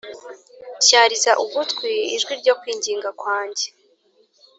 Tyariza ugutwi ijwi ryo kwinginga kwanjye